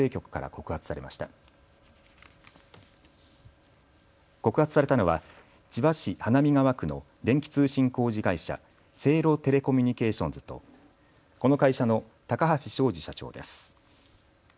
告発されたのは千葉市花見川区の電気通信工事会社、セイロテレコミュニケーションズとこの会社の高橋正治社長です。